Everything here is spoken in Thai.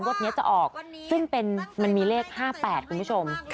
ดนี้จะออกซึ่งเป็นมันมีเลข๕๘คุณผู้ชม